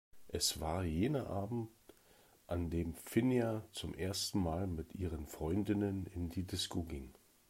Es war jener Abend, an dem Finja zum ersten Mal mit ihren Freundinnen in die Disco ging.